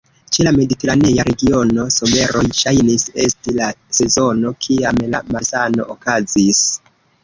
Ĉe la Mediteranea Regiono, someroj ŝajnis esti la sezono kiam la malsano okazis.